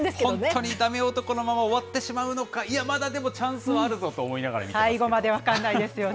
本当にだめ男のまま終わってしまうのか、いや、まだでもチャンスはあるぞと思いながら見てますよ。